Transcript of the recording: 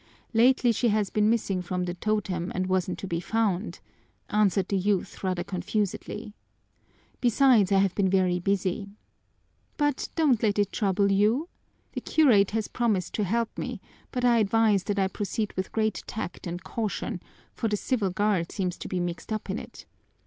Lately she has been missing from the totem and wasn't to be found," answered the youth, rather confusedly. "Besides, I have been very busy. But don't let it trouble you. The curate has promised to help me, but advised that I proceed with great tact and caution, for the Civil Guard seems to be mixed up in it.